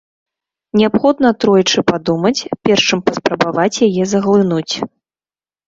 Неабходна тройчы падумаць, перш чым паспрабаваць яе заглынуць.